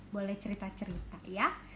boleh cerita cerita ya